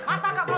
untuk king kong